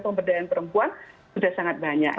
pemberdayaan perempuan sudah sangat banyak